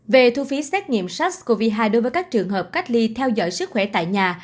về thu phí xét nghiệm sars cov hai đối với các trường hợp cách ly theo dõi sức khỏe tại nhà